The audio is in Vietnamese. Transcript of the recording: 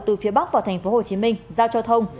từ phía bắc vào tp hcm giao cho thông